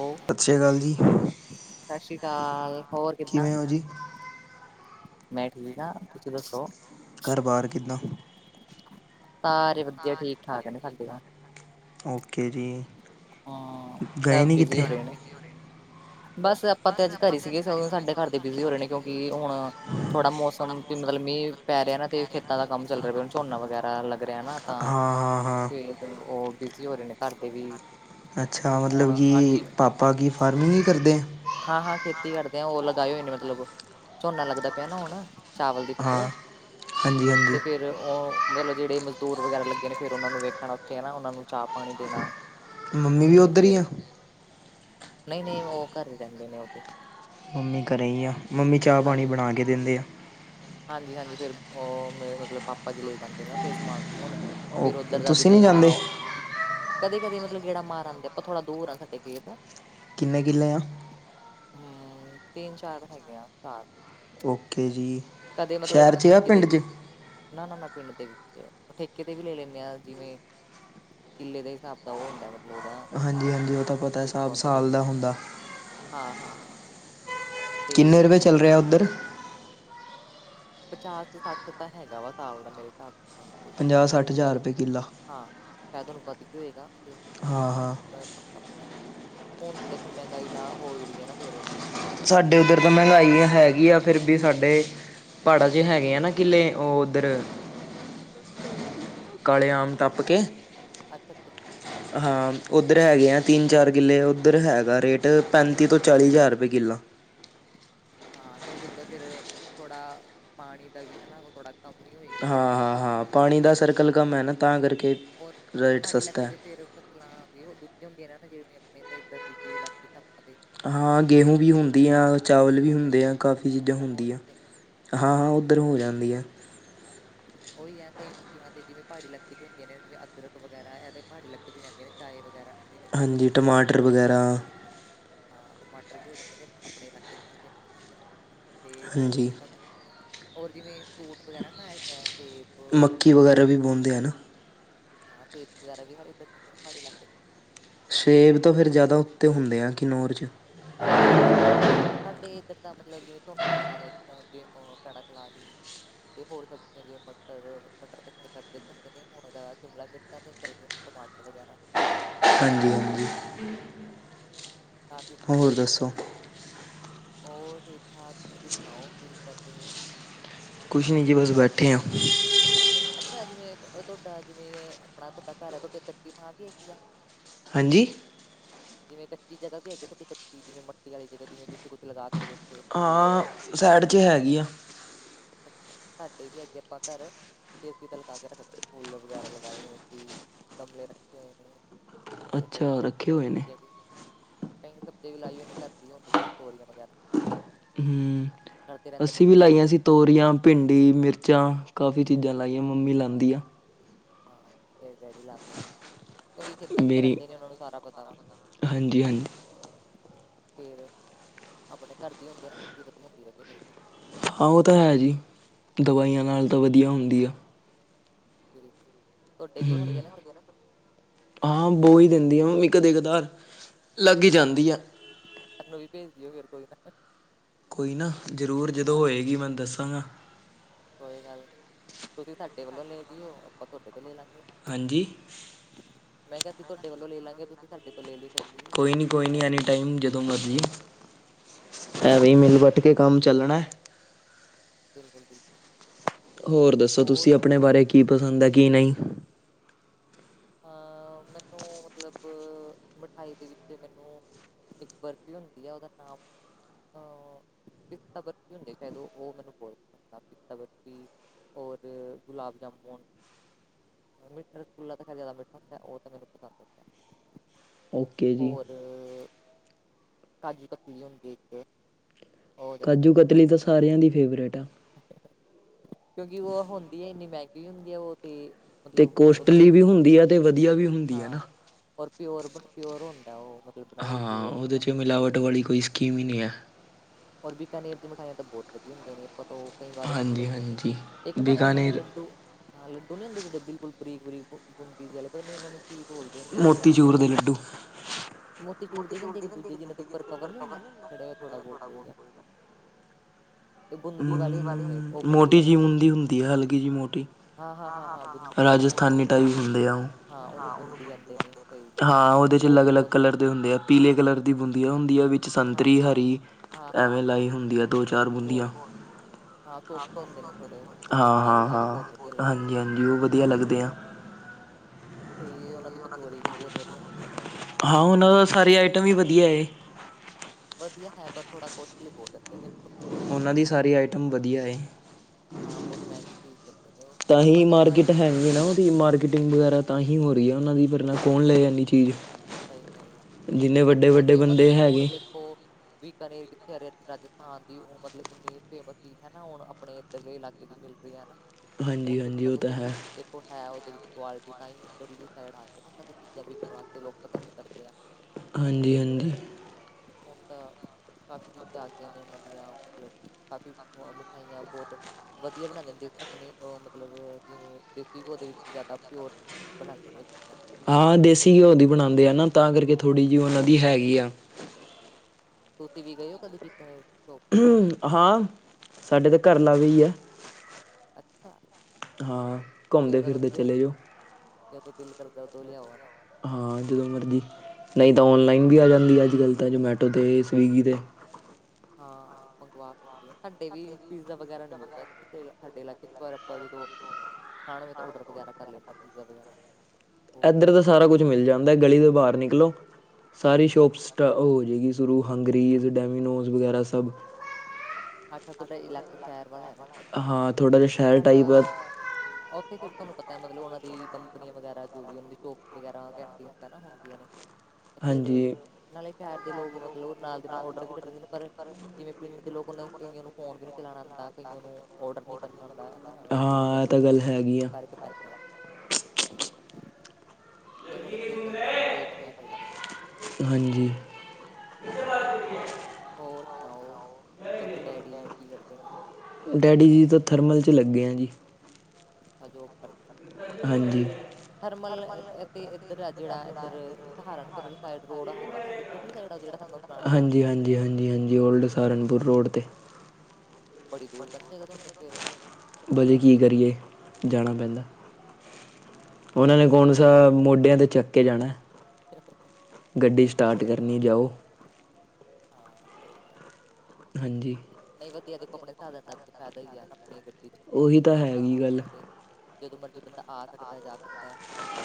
ਹੋ ਸਤਿ ਸ਼੍ਰੀ ਅਕਾਲ ਜੀ ਸਤਿ ਸ਼੍ਰੀ ਅਕਾਲ ਹੋਰ ਕਿੱਦਾਂ ਕਿਵੇਂ ਹੋ ਜੀ ਮੈਂ ਠੀਕ ਹਾਂ ਤੁਸੀਂ ਦੱਸੋ? ਘਰ ਬਾਹਰ ਕਿੱਦਾਂ। ਸਾਰੇ ਵਧੀਆ ਠੀਕ, ਠਾਕ ਨੇ ਸਾਡੇ ਨਾਲ ਓਕੇ ਜੀ ਹਾਂ ਗਏ ਸਭ ਨੀ ਬਿਜ਼ੀ ਕਿਥੇ? ਹੋ ਰਹੇ ਨੇ ਬਸ ਆਪਾਂ ਤਾਂ ਅੱਜ ਘਰ ਹੀ ਸੀਗੇ ਸੋਂ ਸਾਡੇ ਘਰ ਦੇ ਬਿਜ਼ੀ ਹੋ ਰਹੇ ਨੇ ਕਿਉਂਕਿ ਹੁਣ ਥੋੜਾ ਮੌਸਮ ਮਤਲਬ ਮੀਂਹ ਪੈ ਰਿਹਾ ਨਾ ਤੇ ਖੇਤਾਂ ਦਾ ਕੰਮ ਚੱਲ ਰਿਹਾ ਝੋਨਾ ਵਗੈਰਾ ਲੱਗ ਰਿਹਾ ਨਾ ਤਾਂ ਹਾਂ ਹਾਂ ਹਾਂ ਫ ਉਹ ਬਿਜ਼ੀ ਹੋ ਰਹੇ ਨੇ ਘਰ ਦੇ ਵੀ ਅੱਛਾ! ਮਤਲਬ ਹੁਣ ਕੀ ਹਾਂਜੀ ਪਾਪਾ ਕੀ ਫਾਰਮਿੰਗ ਹੀ ਕਰਦੇ ਹੈ? ਹਾਂ, ਹਾਂ ਖੇਤੀ ਕਰਦੇ ਹ ਉਹ ਲਗਾਏ ਹੋਏ ਨੇੇ ਮਤਲਬ ਝੋਨਾ ਲੱਗਦਾ ਪਿਆ ਹੈ ਨਾ ਹੁਣ। ਚਾਵਲ ਦੀ ਹਾਂ ਫ਼ਸਲ ਹਾਂਜੀ ਹਾਂਜੀ ਤੇ ਫੇਰ ਫਿਰ ਉਹ ਮਤਲਬ ਜਿਹੜੇ ਮਜ਼ਦੂਰ ਵਗੈਰਾ ਲੱਗੇ ਨੇ ਫ਼ੇਰ ਉਹਨਾ ਨੂੰ ਵੇਖਣਾ ਉੱਥੇ ਹੈ ਨਾ ਉਹਨਾਂ ਨੂੰ ਚਾਹ ਪਾਣੀ ਦੇਣਾ। ਮੰਮੀ ਵੀ ਤੇ ਉੱਧਰ ਹੀ ਫਿਰ, ਆ ਨਹੀਂ-ਨਹੀਂ ਉਹ ਘਰੇ ਰਹਿੰਦੇ ਨੇ ਉੱਥੇ। ਮੰਮੀ ਘਰੇ ਹੀ ਆ, ਮੰਮੀ ਚਾਹ ਪਾਣੀ ਬਣਾ ਕੇ ਦਿੰਦੇ ਆ। ਹਾਂਜੀ-ਹਾਂਜੀ ਫੇਰ ਉਹ ਮੇਰੇ ਮਤਲਬ ਪਾਪਾ ਜੀ ਲੇਟ ਆਂਦੇ ਆ ਨਾ ਫਿਰ ਸਮਾਨ ਸਮੂਨ ਉਹ ਫੇਰ ਉੱਧਰ ਦਾ ਵੀ ਤੁਸੀਂ ਨਹੀਂ ਦੇਖਣਾ। ਜਾਂਦੇ ਕਦੇ-ਕਦੇ ਮਤਲਬ ਗੇੜਾ ਮਾਰ ਆਂਦੇ ਆ ਪਰ ਥੋੜਾ ਦੂਰ ਆ ਸਾਡੇ ਖੇਤ ਕਿੰਨੇ ਕਿੱਲੇ ਆ? ਹਮ ਤਿੰਨ ਚਾਰ ਹੈਗੇ ਆ ਚਾਰ ਓਕੇ ਜੀ। ਕਦੇ ਸ਼ਹਿਰ ਮਤਲਬ 'ਚ ਆ ਠੇਕੇ ਤੇ ਪਿੰਡ ਵੀ 'ਚ ਨਾ, ਨਾ, ਨਾ ਪਿੰਡ ਦੇ ਵਿੱਚ, ਠੇਕੇ ਤੇ ਵੀ ਲੈ ਲੈਂਦੇ ਹਾਂ ਜਿਵੇਂ ਕਿੱਲੇ ਦੇ ਹਿਸਾਬ ਦਾ ਉਹ ਹੁੰਦਾ ਮਤਲਬ ਉਹਦਾ ਹਾਂਜੀ-ਹਾਂਜੀ ਉਹ ਤਾਂ ਪਤਾ ਠੇਕਾ ਹਿਸਾਬ ਹੁੰਦਾ ਸਾਲ ਜਿਵੇਂ ਦਾ ਹੁੰਦਾ। ਹਾਂ, ਹਾਂ, ਹਾਂ। ਤੇ ਕਿੰਨੇ ਰੁਪਏ ਚੱਲ ਫੇਰ ਰਿਹਾ ਉੱਧਰ? ਪਚਾਸ ਸੱਠ ਤਾਂ ਹੈਗਾ ਵਾ ਸਾਲ ਦਾ ਮੇਰੇ ਹਿਸਾਬ ਨਾਲ ਤੇ, ਬਾਕੀ ਹਜ਼ਾਰ ਰੁਪਏ ਕਿੱਲਾ [inaudible] ਹਾਂ [unintelligible] ਹਾਂ-ਹਾਂ ਪਰ ਪੱਕਾ ਪਤਾ ਹੈ। ਹੁਣ ਤਾਂ ਦੇਖੋ ਮਹਿੰਗਾਈ ਨਾਲ ਹੋ ਹੀ ਰਹੀ ਹੈ ਨਾ ਫਿਰ ਸਾਡੇ, ਉੱਧਰ ਤਾਂ ਮਹਿੰਗਾਈ ਹੈਗੀ ਆ। ਫਿਰ ਵੀ ਸਾਡੇ ਪਹਾੜਾਂ ਚ ਹੈਗੇ ਆ ਨਾ ਕਿੱਲੇ, ਉਹ ਉੱਧਰ ਕਾਲੇਆਮ ਟੱਪ ਕੇ ਅੱਛਾ-ਅੱਛਾ। [inaudible] ਹਾਂ ਉੱਧਰ ਹੈਗੇ ਆ ਤਿੰਨ ਚਾਰ ਕਿੱਲੇ ਉੱਧਰ ਹੈਗਾ ਰੇਟ ਪੈਂਤੀ ਤੋਂ ਚਾਲੀ ਹਜ਼ਾਰ। [unintelligible] ਹਾਂ ਕਿਉਂਕਿ ਉੱਧਰ ਫਿਰ ਥੋੜਾ ਪਾਣੀ ਦਾ ਵੀ ਹੈਨਾ ਉਹ ਥੋੜਾ ਕਮੀ ਹੋਏਗੀ ਹਾਂ ਉੱਧਰ ਠੀਕ ਹੈ ਹਾਂ ਹਾਂ ਪਾਣੀ ਦਾ ਸਰਕਲ ਕੰਮ ਹੈ ਨਾ, ਤਾਂ ਕਰਕੇ ਔਰ ਰੇਟ ਪਹਾੜੀ ਸਸਤਾ ਇਲਾਕੇ ਹੈ। ਤੇ ਫੇਰ ਫਸਲਾਂ ਵੀ ਉਹ ਦੂਜੀਆਂ ਹੁੰਦੀਆਂ ਨੇ ਨਾ ਜਿਵੇਂ ਆਪਣੇ ਤੇ ਤਾਂ ਇੱਧਰ ਦੂਜੇ ਇਲਾਕੇ ਚ ਆਪਾਂ ਤੇ ਹਾਂ, ਗੇਹੂ ਥੋੜਾ ਵੀ ਹੁੰਦੀ ਪਠਾਰੀ ਆ। ਚਾਵਲ ਵੀ ਅੱਛਾ ਹੁੰਦੇ ਆ, ਅੱਛਾ ਕਾਫੀ ਚੀਜ਼ਾਂ ਅੱਛਾ ਹੋ ਹੁੰਦੀ ਆ। ਜਾਂਦੇ ਨੇ ਹਾਂ-ਹਾਂ ਉੱਧਰ ਹੋ ਸਹੀ ਜਾਂਦੀ ਹੈ ਆ। [inaudible] ਉਹੀ ਹੈ ਕਈ ਫਸਲਾਂ ਤੇ ਜਿਵੇਂ ਪਹਾੜੀ ਇਲਾਕੇ ਚ ਹੁੰਦੀਆਂ ਨੇ ਜਿਵੇਂ ਅਦਰਕ ਵਗੈਰਾ ਹੈ। ਇਹ ਤੇ ਪਹਾੜੀ ਇਲਾਕ਼ੇ ਚੋ ਹੀ ਆਉਂਦੀਆਂ ਨੇ। ਚਾਹ ਵਗੈਰਾ ਜਿਵੇਂ ਚਾਹ ਹਾਂਜੀ ਪਤੀ ਹੁੰਦੀ ਹੈ ਟਮਾਟਰ ਵਗੈਰਾ ਨਾ ਹਾਂ ਟਮਾਟਰ ਵੀ ਹੋ ਜਾਂਦੇ ਨੇ। ਆਪਣੇ ਇਲਾਕੇ ਚ ਹੁੰਦੇ ਨੇ ਟਮਾਟਰ ਤੇ ਹੋਰ ਹਾਂਜੀ ਵੀ ਕਾਫੀ ਚੀਜ਼ਾਂ ਨੇ। ਹੋਰ ਜਿਵੇਂ ਫਰੂਟ ਵਗੈਰਾ ਹੈ ਨਾ ਇਹ ਤੇ ਮੱਕੀ ਵਗੈਰਾ ਵੀ ਬੋਹੰਦੇ ਆ ਨਾ ਹਾਂ ਸੇਬ ਵਗੇਰਾ ਵੀ ਹਰੇ ਨੇ [inaudible] ਪਹਾੜੀ ਇਲਾਕੇ ਚ। ਸੇਬ ਤਾਂ ਫਿਰ ਜ਼ਿਆਦਾ ਉੱਤੇ ਹੁੰਦੇ ਆ ਕਿਨੋੌਰ ਚ ਅੱਛਾ, ਸਾਡੇ ਇੱਧਰ ਦਾ ਮਤਲਬ ਜਿਵੇਂ ਝੋਨਾ ਲਗਾ ਲਿਆ ਜੇ ਉਹ ਕਣਕ ਲਾ ਲਈ ਇਹ ਹੋਰ ਸਬਜ਼ੀਆਂ ਜਿਵੇ ਮਟਰ ਮਟਰ [unintelligible] 'ਚ ਹੁੰਦੇ ਨੇ ਹੁਣ ਦਾ ਸਿਮਲਾ ਮਿਰਚਾਂ ਨੇ। ਚੱਲਦੇ ਨੇ ਟਮਾਟਰ ਵਗੈਰਾ ਹਾਂਜੀ-ਹਾਂਜੀ। [inaudible] ਹੋਰ ਠੀਕ ਠਾਕ, ਤੁਸੀਂ ਸੁਣਾਓ ਕੀ ਕਰ ਰਹੇ ਹੋ? ਕੁਛ ਨੀ ਜੀ ਬਸ ਬੈਠੇ ਹਾਂ ਅੱਛਾ, ਜਿਵੇਂ ਤੁਹਾਡਾ ਜਿਵੇਂ ਆਪਣਾ ਤੁਹਾਡਾ ਘਰ ਆ। ਤੁਹਾਡੇ ਕੱਚੀ ਥਾਂ ਵੀ ਹੈਗੀ ਆ? ਹਾਂਜੀ? ਜਿਵੇਂ ਕੱਚੀ ਜਗ੍ਹਾ ਵੀ ਹੈਗੀ ਹੈ ਤੁਸੀਂ ਕੱਚੀ ਜਿਵੇ ਮੱਟੀ ਵਾਲੀ ਜਗ੍ਹ ਜਿਵੇਂ ਤੁਸੀਂ ਕੁਛ ਲਗਾ ਸਕਦੇ ਹੋ? ਉੱਥੇ ਫੁੱਲ ਹਾਂ, ਸਾਈਡ ਚ ਸਬਜ਼ੀਆਂ ਹੈਗੀ ਵਗੈਰਾ ਆ ਸਾਡੇ ਵੀ ਹੈਗੇ ਪਤਰ ਏਸੀ ਤਾਂ ਲਗਾ ਕੇ ਰੱਖਦੇ ਫੁੱਲ ਵਗੈਰਾ ਲਗਾਏ ਹੋਏ ਅਸੀ ਗਮਲੇ ਰੱਖੇ ਹੋਏ ਨੇ ਤੇ ਹੋਰ ਅੱਛਾ ਰੱਖੇ ਸਬਜ਼ੀਆਂ ਹੋਏ ਨੇ ਸੁਬੀਆਂ ਵੀ ਕਈ ਸਬਜ਼ੀਆਂ ਵੀ ਲਾਈ ਹੋਨੇ ਘਰ ਦੀ ਹੁੰਦੀ ਜਿਵੇਂ ਤੋਰੀਆਂ ਵਗੈਰਾ ਹੂੰ ਕਰਦੇ ਰਹਿੰਦੇ ਨੇ ਅਸੀ ਵੀ ਮੇਰੇ ਲਾਈਆਂ ਸੀ। ਤੋਰੀਆਂ ਭਿੰਡੀ ਮਿਰਚਾਂ ਕਾਫੀ ਚੀਜ਼ਾਂ ਲਾਈਆਂ ਮੰਮੀ ਲਾਂਦੀ ਆ। ਹਾਂ ਮੇਰੇ ਡੈਡੀ ਲਾਂਦੇ ਨੇ। ਕਿਂਉਕਿ ਖੇਤਾਂ 'ਚ ਤਾਂ ਮੇਰੀ ਰਹਿੰਦੇ ਨੇ ਉਹਨਾਂ ਨੂੰ ਸਾਰਾ ਪਤਾ ਵਾ। ਹਾਂਜੀ ਹਾਂਜੀ ਫੇਰ ਆਪਣੇ ਘਰ ਦੀ ਹੁੰਦੀ ਆ ਨਾ ਸਬਜੀ ਵਧੀਆ ਹੁੰਦੀ ਵਧ ਹਾਂ ਉਹ ਤਾਂ ਹੈ ਜੀ ਦਵਾਈਆਂ ਨਾਲ ਤਾਂ ਵਧੀਆ ਹੁੰਦੀ ਆ। ਠੀਕ ਹ ਹਾਂ ਬੋ ਹੀ ਦਿੰਦੀ ਆ ਮੰਮੀ ਕਦੇ ਕਦਾਰ ਲੱਗ ਹੀ ਸਾਨੂੰ ਵੀ ਜਾਂਦੀ ਆ। ਸਾਨੂੰ ਵੀ ਭੇਜਦੀਓ ਫੇਰ ਕੋਈ ਨਾ ਕੋਈ ਨਾ ਜ਼ਰੂਰ ਜਦੋਂ ਹਾਂਜੀ ਹੋਏਗੀ ਮੈਨੂੰ ਦੱਸਾਂਗਾ ਕੋਈ ਗੱਲ ਨਹੀਂ ਤੁਸੀਂ ਸਾਡੇ ਵੱਲੋਂ ਲੈ ਜਿਓ ਆਪਾਂ ਤੁਹਾਡੇ ਤੋਂ ਲੈ ਲਾਂਗੇ। ਹਾਂਜੀ ਮੈਂ ਕਿਹਾ ਅਸੀਂ ਤੁਹਾਡੇ ਵੱਲੋਂ ਲੈ ਲਾਂਗੇ ਤੁਸੀਂ ਸਾਡੇ ਤੋਂ ਲੈ ਲਿਓ। ਸਬਜ਼ੀ ਕੋਈ ਨੀ ਕੋਈ ਨੀ ਐਵੇਂ ਐਨੀ ਕਰੋ ਟਾਈਮ ਜਦੋਂ ਮਰਜ਼ੀ ਐਵੇਂ ਕੋਈ ਗੱਲ ਮਿਲ ਨਹੀਂ ਵੱਟ ਕੇ ਕੰਮ ਚੱਲਣਾ ਬਿਲਕੁਲ-ਬਿਲਕੁਲ ਹੋਰ ਦੱਸੋ ਤੁਸੀਂ ਆਪਣੇ ਬਾਰੇ ਕੀ ਪਸੰਦ ਹੈ ਕੀ ਨਹੀਂ। ਹਾਂ ਮੈਨੂੰ ਮਤਲਬ ਮਿਠਾਈ ਦੇ ਵਿੱਚ ਮੈਨੂੰ ਇੱਕ ਬਰਫੀ ਹੁੰਦੀ ਹੈ ਉਹਦਾ ਨਾਮ ਪਿਸਤਾ ਬੱਰਫੀ ਹੁੰਦੀ ਉਹ ਮੈਨੂੰ ਬਹੁਤ ਪਸੰਦ ਪਿਸਤਾ ਬੱਰਫੀ ਔਰ ਗੁਲਾਬ ਜਾਮੁਣ ਮਿੱਠਾ ਖੁੱਲਾ [unintelligible] ਤਾਂ ਜ਼ਿਆਦਾ ਮਿੱਠਾ ਹੁੰਦਾ ਉਹ ਤਾਂ ਮੈਨੂੰ ਪਸੰਦ ਨਹੀਂ। ਓਕੇ ਜੀ ਹੋਰ ਕਾਜੂ ਕਤਲੀ ਹੋਦੀਂ ਏ ਇੱਕ ਤੇ ਕਾਜੂ ਕਤਲੀ ਤਾਂ ਸਾਰਿਆਂ ਦੀ ਫੇਵਰੇਟ ਆ। ਕਿਉਂਕਿ ਉਹ ਹੁੰਦੀ ਹੈ ਇੰਨੀ ਮਹਿੰਗੀ ਹੁੰਦੀ ਹੈ ਉਹ ਤੇ ਤੇ ਮਤਲਬ ਉਹਦੇ ਕੋਸਟਲੀ ਵੀ ਹੁੰਦੀ ਆ ਤੇ ਵਧੀਆ ਵੀ ਹੁੰਦੀ ਹੈ ਨਾ। ਹਾਂ ਔਰ ਪਿਓਰ ਬੜਾ ਪਿਓਰ ਹੁੰਦਾ ਉਹ ਮਤਲਬ ਬਣਾਈ ਹੋਈ ਹਾਂ ਪਿਓਰ ਉਹਦੇ ਹਨਾ 'ਚ ਮਿਲਾਵਟ ਵਾਲੀ ਕੋਈ ਸਕੀਮ ਹੀ ਨਹੀਂ ਹੈ। ਔਰ ਬਿਕਾਨੇਰ ਦੀ ਮਿਠਾਈਆਂ ਤਾਂ ਬਹੁਤ ਵਧੀਆ ਹੁੰਦੀਆਂ ਨੇ ਆਪਾਂ ਤੋਂ ਉਹ ਕਈ ਵਾਰ ਉਥੋਂ ਹਾਂਜੀ ਲੈਂਦੇ ਨੇ ਹਾਂਜੀ ਇੱਕ ਨਾ ਉਹਨਾਂ ਦੇ ਬੀਕਾਨੇਰ ਲੱਡੂ ਹਾਂ ਲੱਡੂ ਨ ਹੁੰਦੇ ਜਿਹੇ ਬਿਲਕੁਲ ਬਰੀਕ- ਬਰੀਕ ਬੁੰਦੀ ਵਾਲੇ ਪਤਾ ਨੀ ਉਹਨਾਂ ਨੂੰ ਕੀ ਬੋਲਦੇ ਆ ਮੇਰੇ ਮੋਤੀ ਯਾਦ ਚੂਰ ਨੀ ਦੇ ਲੱਡੂ ਆਰਯਾ ਮੋਤੀ ਚੂਰ ਦੀ ਕਹਿੰਦੇ ਇੱਕ ਦੂਜੇ ਜਿਨਾ ਤੇ ਕਵਰ ਨਹੀਂ ਹੁੰਦਾ ਜਿਹੜਾ ਤੁਡੇ ਕੋਲ ਕੋ ਬੂੰਦੀ ਮੋਟੀ ਵਾਲੇ ਜਿਹੀ ਹੁੰਦੇ ਨੇ ਸ਼ਾਇਦ ਮੁੰਦੀ ਹੁੰਦੀ ਆ ਹਲਕੀ ਜਿਹੀ ਮੋਟੀ ਹਾਂ ਹਾਂ ਹਾਂ ਹਾਂ ਹਾਂ-ਹਾਂ-ਹਾਂ ਉਹਨੂੰ ਰਾਜਸਥਾਨੀ ਹੁੰਦੇ ਆ ਹਾਂ ਉਹਨੂੰ ਬੂੰਦੀ ਕਹਿੰਦੇ ਨੇ ਸਹੀ ਹਾਂ ਉਹਦੇ 'ਚ ਉਹ ਅਲਗ ਵੀ -ਅਲੱਗ ਬਹੁਤ ਕਲਰ ਦੇ ਹੁੰਦੇ ਆ। ਪੀਲੇ ਕਲਰ ਦੀ ਬੂੰਦੀਆਂ ਹੁੰਦੀ ਹੈ, ਵਿੱਚ ਹਾਂ ਸੰਤਰੀ ਹਾਂ ਹਰੀ ਹਾਂ ਹਾਂ ਹਾਂ ਐਵੇਂ ਲਾਈ ਹੁੰਦੀ ਹੈ। ਦੋ, ਚਾਰ ਬਹੁਤ ਬੂੰਦੀਆਂ। ਹਾਂ ਸੋਫਟ ਹੁੰਦੇ ਨੇ ਥੋੜੇ ਉਹ ਹਾਂ- ਉਹ ਤਾਜ਼ੇ ਹਾਂ ਤਾਜ਼ੇ -ਹਾਂ ਬਹੁਤ ਵਧੀਆ ਲੱਗਦੇ ਨੇ ਹਾਂਜੀ -ਹਾਂਜੀ ਉਹ ਵਧੀਆ ਲੱਗਦੇ ਆ। ਤੇ ਉਹਨਾਂ ਦੀ ਕਚੋਰੀ ਵੀ ਬਹੁਤ ਵਧੀਆ ਹੁੰਦੀ ਹੈ। ਹਾਂ ਉਹਨਾਂ ਦਾ ਸਾਰੇ ਆਈਟਮ ਵੀ ਵਧੀਆ ਏ। ਵਧੀਆ ਹੈ ਪਰ ਥੋੜਾ ਕੋਸਟਿਲੀ ਬੋਲ ਸਕਦੇ ਨੇ। ਉਹਨਾਂ ਦੀ ਸਾਰੀ ਆਈਟਮ ਵਧੀਆ ਏ। ਹਾਂ ਬਹੁਤ ਮਹਿੰਗੀ ਚੀਜ਼ ਦਿੰਦੇ ਨੇ ਉਹ ਤਾਂਹੀ ਆਪਾਂ ਕਈ ਵਾਰ ਮਾਰਕੀਟ ਹੈਗੀ ਨਾ ਉਹਦੀ ਮਾਰਕੀ ਟਿੰਗ ਵਗੈਰਾ ਤਾਂ ਹੀ ਹੋ ਰਹੀ ਹੈ ਉਹਨਾਂ ਦੀ ਪਰ ਹਾਂ ਕੌਣ ਲਏ ਇਨੀ ਚੀਜ਼ ਸਹੀ ਗੱਲ ਆ ਜਿੰਨੇ ਪਰ ਵੱਡੇ ਬਹੁਤ ਵੱਡੇ ਫੇਮਸ ਬੰਦੇ ਨੇ ਹੁਣ ਹੈਗੇ ਵੇਖੋ। ਵੀ ਕ ਕਿੱਥੇ ਰਾਜਸਥਾਨ ਦੀ ਉਹ ਮਤਲਬ, ਇੰਨੀ ਫੇਮਸ ਚੀਜ਼ ਹੈ ਨਾ ਹੁਣ ਆਪਣੇ ਇੱਧਰਲੇ ਇਲਾਕੇ ਚ ਮਿਲ ਰਹੀ ਹੈ ਨਾ, ਹੁਣ ਹਾਂਜੀ ਕੁਛ ਹਾਂਜੀ ਨਾ ਉਹ ਕੁਛ ਤਾਂ ਹੈ ਹੈ ਉਹਦੇ ਵਿੱਚ ਕੁਆਲਿਟੀ ਤਾਂ ਹੀ ਇੱਧਰਲੀ ਸਾਈਡ ਆ ਕੇ ਨਾ, ਉਹਨਾਂ ਦੀਆਂ ਚੀਜ਼ਾਂ ਵਿਕਣ ਵਾਸਤੇ ਲੋਕ ਪਸੰਦ ਕਰਦੇ ਆ ਹਾਂਜੀ-ਹਾਂਜੀ। [unintelligible] ਕਾਫ਼ੀ ਚੀਜ਼ਾਂ ਆ ਗਈਆਂ ਨੇ, ਉਹਨਾਂ ਦੀਆਂ ਮਤਲਬ, ਕਾਫੀ ਮਿਠਾਈਆਂ ਬਹੁਤ ਵਧੀਆ ਬਣਾਉਂਦੇ ਨੇ, ਆਪਣੀ ਉਹ ਮਤਲਬ ਜਿਵੇਂ ਦੇਸੀ ਘਿਓ ਦੇ ਵਿੱਚ ਜ਼ਿਆਦਾ ਪਿਓਰ ਬਣਾਉਂਦੇ ਨੇ, ਇਹ ਚੀਜ਼ਾਂ ਹਾਂ ਦੇਸੀ ਘਿਓ ਦੀ ਬਣਾਉਂਦੇ ਆ ਨਾ, ਤਾਂ ਕਰਕੇ ਥੋੜ੍ਹੀ ਜਿਹੀ ਉਹਨਾਂ ਦੀ ਹੈਗੀ ਆ। ਤੁਸੀਂ ਵੀ ਗਏ ਹੋ ਕਦੇ [unintelligible] ਹਾਂ, ਸਾਡੇ ਤਾਂ ਘਰ ਲਾਗੇ ਹੀ ਹੈ। ਅੱਛਾ ਹਾਂ, ਫੇਰ ਘੁੰਮਦੇ ਤਾਂ ਫਿਰਦੇ ਵਧੀਆ ਚਲੇ ਜਾਓ। ਜਦੋਂ ਦਿਲ ਕਰਦਾ, ਉਦੋਂ ਲਿਆਂਦਾ ਵਾ। ਹਾਂ ਜਦੋਂ ਮਰਜ਼ੀ ਨਹੀਂ ਤਾਂ, ਔਨਲਾਈਨ ਵੀ ਆ ਜਾਂਦੀ ਹੈ, ਅੱਜ ਕੱਲ੍ਹ ਤਾਂ ਜਮੈਟੋ 'ਤੇ ਸਵੀਗੀ 'ਤੇ ਹਾਂ ਮੰਗਵਾ ਸਾਡੇ ਵੀ ਪੀਜ਼ਾ ਵਗੈਰਾ ਨੀ ਮਿਲਦਾ, ਸਾਡੇ ਇਲਾਕੇ ਵਾਰ ਆਪਾਂ ਜਦੋਂ ਖਾਣ ਹੋਏ ਤਾਂ ਔਡਰ ਵਗੈਰਾ ਕਰ ਲੈਂਦੇਂ, ਪੀਜ਼ਾ ਵਗੈਰਾ। ਉਹ ਵੀ ਇੱਧਰ ਤਾਂ ਸਾਰਾ ਕੁਛ ਮਿਲ ਜਾਂਦਾ, ਗਲੀ ਤੋਂ ਬਾਹਰ ਨਿਕਲੋ ਸਾਰੀ ਸ਼ੋਪ ਸਟ ਹੋ ਜਾਏਗੀ। ਸ਼ੁਰੂ ਹੰਗਰੀਜ਼, ਡੋਮੀਨੋਜ ਵਗੈਰਾ ਸਭ। ਅੱਛਾ, ਤੁਹਾਡਾ ਇਲਾਕੇ ਸ਼ਹਿਰ ਵਾਲਾ ਹੈ ਨਾ। ਹਾਂ ਥੋੜਾ ਜ ਸਾਡਾ ਹਮ, ਉੱਥੇ ਫਿਰ ਤੁਹਾਨੂੰ ਪਤਾ ਮਤਲਬ ਉਹਨਾਂ ਦੀ ਕੰਪਨੀਆਂ ਵਗੈਰਾ, ਜੋ ਵੀ ਉਹਨਾਂ ਦੀ ਸ਼ੋਪ ਵਗੈਰਾ ਕੈਂਟੀਨ ਹੁੰਦੀਆਂ ਨੇ। [unintelligible] ਫਿਰ ਹਾਂ ਨਾਲੇ, ਸ਼ਹਿਰ ਦੇ ਲੋਕ ਲੋਕ ਨਾਲ ਦੀ ਨਾਲ, ਔਡਰ ਕਰ ਦਿੰਦੇ ਨੇ, ਪਰ ਜਿਵੇਂ ਪਿੰਡ ਦੇ ਲੋਕ ਉਹਨਾਂ ਕਈਆਂ ਨੂੰ ਫੋਨ ਵੀ ਨੀ ਚਲਾਉਣਾ ਆਉਂਦਾ, ਕਈਆਂ ਨੂੰ ਔਡਰ ਨੀ ਕਰਨਾ ਆਉਂਦਾ। ਨਾ, ਉਹ ਚੀਜ਼ ਹੋ ਇਹ ਤਾਂ ਜਾਂਦੀ ਹੈ, ਗੱਲ ਹੈਗੀ ਆ ਫਰਕ ਪੈਂਦਾ। ਚਲੋ ਵਧੀਆ, ਚੱਲਣਾ ਇੰਜੋਏ ਕਰਨਾ ਚਾਹੀਦਾ। ਹਾਂਜੀ। [inaudible] ਹੋਰ ਸੁਣਾਓ, ਤੁਹਾਡੇ ਡੈਡੀ ਜੀ ਕੀ ਕਰਦੇ ਨੇ? ਡੈਡੀ ਜੀ ਤਾਂ, ਥਰਮਲ 'ਚ ਲੱਗੇ ਆ ਜੀ। ਸਹਿਯੋਗ ਕਰਦੇ। ਹਾਂਜੀ। ਹਰਮਲ ਤੇ ਇੱਧਰ ਆ, ਜਿਹੜਾ ਇੱਧਰ ਤਿਉਹਾਰਾਂ ਸਾਈਡ ਰੋਡ ਆ ਹਨਾ, ਤੇ ਇੱਧਰਲੀ ਸਾਈਡ ਆ ਜਿਹੜਾ ਪਲਾਂਟ ਉਹ ਹਾਂਜੀ -ਹਾਂਜੀ, ਹਾਂਜੀ- ਹਾਂਜੀ ਓਲਡ ਅੱਛਾ, ਸਹਾਰਨਪੁਰ ਰੋਡ 'ਤੇ। ਬੜੀ ਦੂਰ ਪੈਂਦਾ ਤੁਹਾਨੂੰ ਫੇਰ। ਬਸ ਜੀ ਕੀ ਕਰੀਏ ਜਾਣਾ ਪੈਂਦਾ। ਉਹਨਾਂ ਉਹ? ਨੇ, ਕੌਣ ਸਾ ਮੋਢਿਆਂ ਤੇ ਚੱਕ ਕੇ ਜਾਣਾ। ਗੱਡੀ ਚਲੋ ਸਟਾਰਟ ਵਧੀਆ ਕਰਨੀ ਜਾਓ ਹਾਂ [unintelligible] ਹਾਂਜੀ। ਨਹੀਂ ਵਧੀਆ ਦੇਖੋ, ਆਪਣੇ ਸਾਧਨ ਦਾ ਕੋਈ ਫਾਇਦਾ ਹੀ ਹੈ ਨਾ, ਆਪਣੇ ਉਹੀ ਤਾਂ, ਹੈਗੀ ਗੱਲ ਜਦੋਂ ਮਰਜ਼ੀ ਬੰਦਾ ਆ ਸਕਦਾ, ਜਾ ਸਕਦਾ ਹੈ।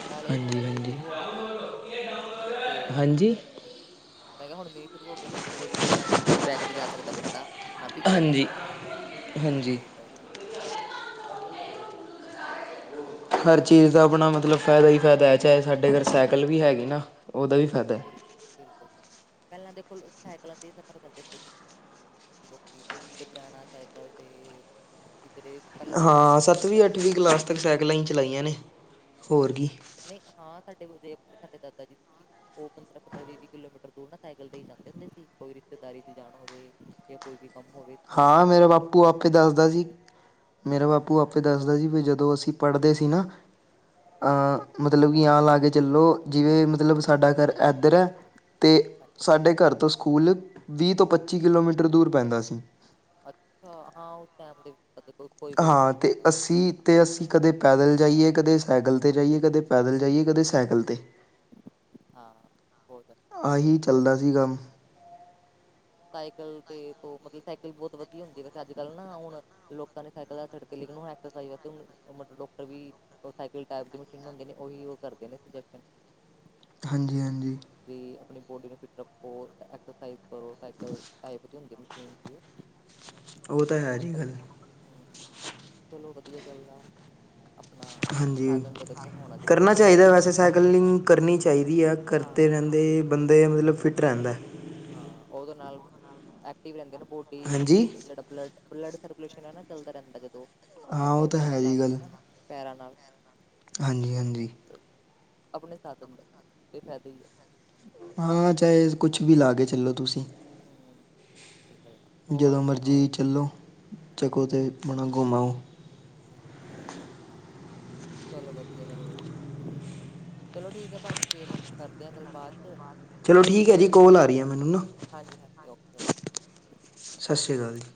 ਨਾਲੇ ਹੁਣ ਹਾਂਜੀ ਮੀੱਹ ਹਾਂਜੀ ਸ਼ੁਰੂ ਹੋ ਗਏ ਨੇ, ਤੇ ਹਾਂਜੀ ਮੈਂ ਕਿਹਾ ਹੁਣ ਮੀਂਹ ਸ਼ੁਰੂ ਹੋ ਗਏ ਨੇ ਮੀਂਹ ਦੇ ਵਿੱਚ ਵੀ ਆਪਣਾ ਗੱਡੀ ਚ ਬੈਕੇ ਤੇ ਜਾ ਸਕਦਾ ਬੰਦਾ ਨਾ ਪੀ ਹਾਂਜੀ ਹਾਂਜੀ [unintelligible] ਹਰ ਚੀਜ਼ ਦਾ ਆਪਣਾ ਮਤਲਬ ਫਾਇਦਾ ਹੀ ਫਾਇਦਾ ਹੈ ਚਾਹੇ ਸਾਡੇ ਘਰ ਸਾਈਕਲ ਵੀ ਹੈਗੀ ਨਾ ਉਹਦਾ ਵੀ ਫਾਇਦਾ। ਬਿਲ ਬਿਲਕੁਲ ਪਹਿਲਾਂ ਦੇ ਕੋੁਲ ਸਾਈਕਲਾਂ ਤੇ ਹੀ ਸਫ਼ਰ ਕਰਦੇ ਹੁੰਦੇ ਸੀ। ਲੋਕੀ ਕਿੱਧਰ ਜਾਣਾ ਸਾਈਕਲ ਤੇ ਕਿੱਧਰੇ ਹਾਂ ਸੱਤਵੀਂ ਅੱਠਵੀਂ ਕਲਾਸ ਤੱਕ ਸਾਈਕਲਾਂ ਹੀ ਚਲਾਈਆਂ ਨੇ ਹੋਰਗੀ। ਨਹੀਂ ਹਾਂ ਸਾਡੇ ਵ ਜੇ ਆਪਣੇ ਸਾਡੇ ਦਾਦਾ ਜੀ ਸੀ ਉਹ ਪੰਦਰਾਂ ਪੰਦਰਾਂ ਵੀਹ ਵੀਹ ਕਿਲੋਮੀਟਰ ਦੂਰ ਨਾ ਸਾਈਕਲ ਤੇ ਹੀ ਜਾਂਦੇ ਹੁੰਦੇ ਸੀ ਕੋਈ ਰਿਸ਼ਤੇਦਾਰੀ ਚ ਜਾਣਾ ਹੋਵੇ ਜਾਂ ਕੋਈ ਵੀ ਕੰਮ ਹੋਵੇ ਪਹਿਲਾਂ ਹਾਂ ਸਾਈਕਲਾਂ ਮੇਰਾ ਤੇ ਕਰਦੇ ਬਾਪੂ ਹੁੰਦੇ ਆਪੇ ਦੱਸਦਾ ਸੀ। ਸੀ ਹਮ, ਮੇਰਾ ਬਾਪੂ ਆਪੇ ਦੱਸਦਾ ਸੀ ਵੀ ਜਦੋਂ ਅਸੀਂ ਪੜ੍ਹਦੇ ਸੀ ਨਾ ਅ ਮਤਲਬ ਕਿ ਆ ਲਾ ਕੇ ਚੱਲੋ ਜਿਵੇਂ ਮਤਲਬ ਸਾਡਾ ਘਰ ਇੱਧਰ ਹੈ। ਅਤੇ ਅੱਛਾ ਅੱਛਾ ਸਾਡੇ ਘਰ ਤੋਂ ਸਕੂਲ ਵੀਹ ਤੋਂ ਪੱਚੀ ਕਿਲੋਮੀਟਰ ਦੂਰ ਪੈਂਦਾ ਸੀ। ਅੱਛਾ ਹਾਂ ਉਹ ਟਮ ਦੇ ਕੋਈ ਕੋਈ ਹਾਂ ਸਕੂਲ ਅਤੇ ਸੀਗਾ ਅਸੀਂ ਅਤੇ ਅਸੀਂ ਕਦੇ ਪੈਦਲ ਜਾਈਏ ਕਦੇ ਸਾਈਕਲ 'ਤੇ ਜਾਈਏ ਕਦੇ ਪੈਦਲ ਜਾਈਏ ਕਦੇ ਸਾਈਕਲ 'ਤੇ [inaudible] ਹਾਂ ਹੋ ਜਾਂਦਾ ਆਹੀ ਚੱਲਦਾ ਸੀ ਕੰਮ ਸਾਈਕਲ ਤੇ ਮਤਲਬ ਸਾਈਕਲ ਬਹੁਤ ਵਧੀਆ ਹੁੰਦੀ ਹੈ ਵੈਸੇ ਅੱਜ ਕੱਲ੍ਹ ਨਾ ਹੁਣ ਲੋਕਾਂ ਨੇ ਸਾਈਕਲ ਦਾਛੜ ਕੇ ਲੇਕਿਨ ਹੁਣ ਐਕਸ ਮਤਲਬ ਡਾਕਟਰ ਵੀ ਉਹ ਸਾਈਕਲ ਟਾਈਪ ਦੀ ਮਸ਼ੀਨ ਹੁੰਦੀ ਨੇ ਉਹੀ ਉਹ ਕਰਦੇ ਨੇ ਹਾਂਜੀ ਹਾਂਜੀ ਵੀ ਆਪਣੀ ਬੋਡੀ ਨੂੰ ਫਿਟ ਰੱਖੋ ਐਕਸਰਸਾਈਜ਼ ਕਰੋ ਸਕਲ ਟਾਈਪ ਦੇ ਹੁੰਦੇ ਮੀਨ ਉਹ ਉਹ ਤਾਂ ਹੈ ਹੁਣ ਜੀ ਹ ਗੱਲ ਚਲੋ ਵਧੀਆ ਗੱਲ ਆ ਆਪਣਾ ਹਾਂਜੀ ਸਾਧਨ ਤਾਂ ਦੇਖੋ ਹੋਣਾ ਕਰਨਾ ਜ਼ਰੂਰੀ ਆ ਚਾਹੀਦਾ ਵੈਸੇ ਸਾਈਕਲਿੰਗ ਕਰਨੀ ਚਾਹੀਦੀ ਆ ਹਾਂ ਕਰਤੇ ਰਹਿੰਦੇ ਅਤੇ ਬੰਦਾ ਮਤਲਬ ਫਿੱਟ ਰਹਿੰਦਾ। ਹਾਂ ਉਹਦੇ ਨਾਲ ਐਕਟਿਵ ਰਹਿੰਦੇ ਨਾ ਬੋਡੀ ਹਾਂਜੀ ਜਿਹੜਾ ਬਲੱਡ ਬਲੱਡ ਸਰਕੂਲੇਸ਼ਨ ਹੈ ਨਾ ਚੱਲਦਾ ਰਹਿੰਦਾ ਜਦੋਂ ਹਾਂ ਉਹ ਆਪਾਂ ਤਾਂ ਨੂੰ ਹੈ ਜੀ ਚਲਾਉਂਦੇ ਗੱਲ ਨਾ ਪੈਰਾਂ ਨਾਲ ਹਾਂਜੀ ਹਾਂਜੀ ਆਪ ਆਪਣੇ ਸਾਧਨ ਦਾ ਇਹ ਫ਼ਾਇਦਾ ਹੀ ਹੈ। ਹਾਂ ਚਾਹੇ ਕੁਛ ਵੀ ਲਾ ਕੇ ਚੱਲੋ ਤੁਸੀਂ ਹਮ, ਇਹ ਗੱਲ ਆ ਹੋਰ ਜਦੋਂ ਮਰਜੀ ਸੁਣਾਓ ਚੱਲੋ ਜਾੱਕੋ ਬਣਾ ਘੁੰਮਾ ਉਹ ਹਮ, [inaudible] ਚਲੋ ਵਧੀਆ ਗੱਲ ਆ ਚਲੋ ਠੀਕ ਹੈ ਭਾਜੀ ਫੇਰ ਕਰਦੇ ਹਾਂ ਗੱਲਬਾਤ ਚ ਚਲੋ ਠੀਕ ਹੈ ਜੀ ਕੋਲ ਆ ਰਹੀ ਆ ਮੈਨੂੰ ਨਾ ਹਾਂਜੀ ਹਾਂਜੀ ਓਕੇ ਓਕੇ ਸਤਿ ਸ਼੍ਰੀ ਅਕਾਲ ਜੀ।